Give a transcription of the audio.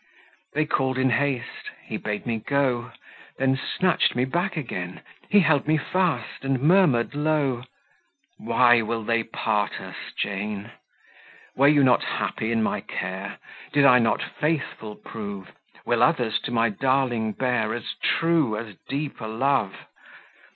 They called in haste; he bade me go, Then snatched me back again; He held me fast and murmured low, "Why will they part us, Jane?" "Were you not happy in my care? Did I not faithful prove? Will others to my darling bear As true, as deep a love?